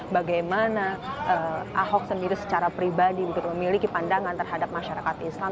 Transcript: bagaimana ahok sendiri secara pribadi memiliki pandangan terhadap masyarakat islam